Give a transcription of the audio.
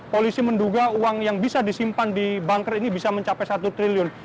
polisi menduga uang yang bisa disimpan di banker ini bisa mencapai satu triliun